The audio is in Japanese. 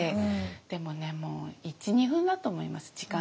でもねもう１２分だと思います時間にしたら。